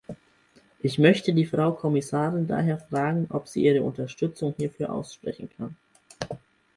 Ich möchte die Frau Kommissarin daher fragen, ob sie ihre Unterstützung hierfür aussprechen kann.